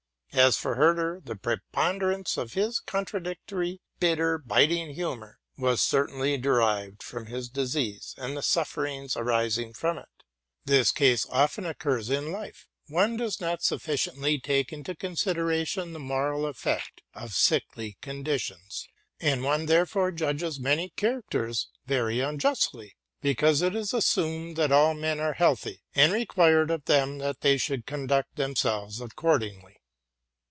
As for Herder, the preponderance of his contradictory, bitter, biting humor was certainly derived from his disease and the sufferings arising from it. This case often occurs in life: one does not sufficiently take into consideration the moral effect of sickly conditions ; and one therefore judges many characters very unjustly, because it is assumed that all inen are healthy, and required of them that they shall conduct themselves accordingly.